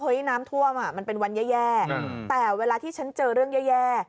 น้ำท่วมอ่ะมันเป็นวันแย่แต่เวลาที่ฉันเจอเรื่องแย่